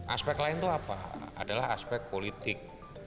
aspek lain itu apa adalah aspek politik